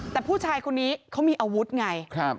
แต่ผู้ชายคนนี้เขามีอาวุธไง